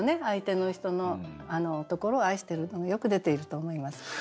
相手の人のところを愛してるのがよく出ていると思います。